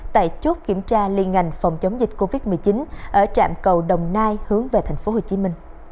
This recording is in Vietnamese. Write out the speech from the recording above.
tại chốt kiểm tra liên ngành phòng chống dịch covid một mươi chín ở trạm cầu đồng nai hướng về tp hcm